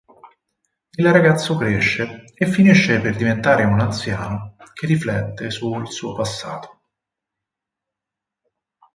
Il ragazzo cresce e finisce per diventare un anziano che riflette sul suo passato.